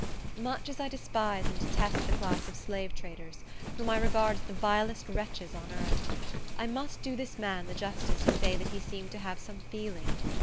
Much as I despise and detest the class of slave traders, whom I regard as the vilest wretches on earth, I must do this man the justice to say that he seemed to have some feeling.